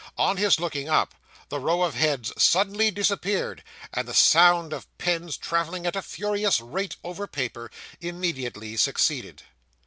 On his looking up, the row of heads suddenly disappeared, and the sound of pens travelling at a furious rate over paper, immediately succeeded.